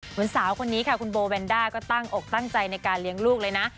สาวคนนี้ค่ะคุณโบแวนด้าก็ตั้งอกตั้งใจในการเลี้ยงลูกเลยนะ